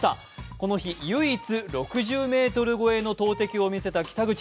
この日、唯一６０ｍ超えの投てきを見せた北口。